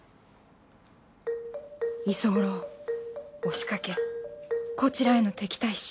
居候押しかけこちらへの敵対視。